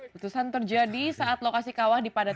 letusan terjadi saat lokasi kawah dipadai padai